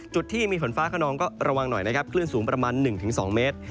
จุดที่มีฝนฟ้าขนองก็ระวังหน่อยนะครับคลื่นสูงประมาณ๑๒เมตร